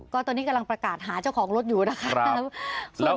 ก็ตอนนี้กำลังประกาศหาเจ้าของรถอยู่นะคะ